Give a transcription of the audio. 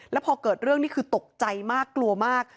แล้วพอเกิดเรื่องนี่คือตกใจมากกลัวมาก